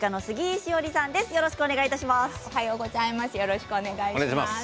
よろしくお願いします。